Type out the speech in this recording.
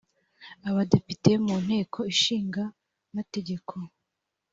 abadepite mu nteko ishinga amategeko